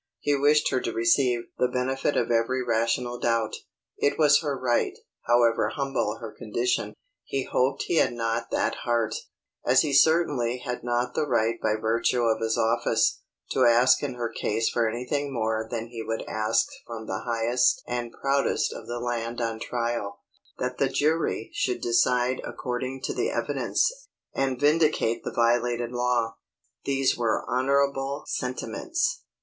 He wished her to receive the benefit of every rational doubt. It _was her right, however humble her condition; he hoped he had not that heart, as he certainly had not the right by virtue of his office, to ask in her case for anything more than he would ask from the highest and proudest of the land on trial_, that the jury should decide according to the evidence, and vindicate the violated law." These were honorable sentiments.